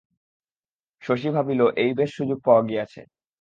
শশী ভাবিল, এই বেশ সুযোগ পাওয়া গিয়াছে।